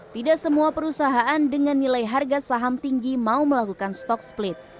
tidak semua perusahaan dengan nilai harga saham tinggi mau melakukan stock split